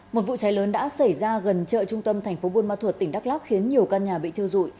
một vụ cháy lớn đã xảy ra gần chợ trung tâm thành phố buôn ma thuột tỉnh đắk lắc khiến nhiều căn nhà bị thiêu dụi